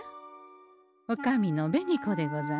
おかみの紅子でござんす。